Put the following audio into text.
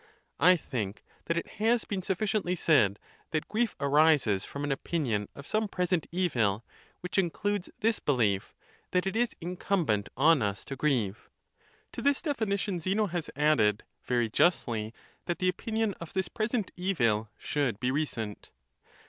I think that it has been sufficiently said, that grief arises from an opinion of some present evil, which includes this belief, that it is incumbent on us to grieve. To this definition Zeno has added, very justly, that the opinion of this present evil should be recent.